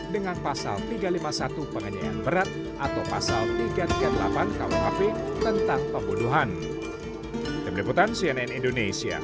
dengan pasal tiga ratus lima puluh satu penganyayaan berat atau pasal tiga ratus tiga puluh delapan kuhp tentang pembunuhan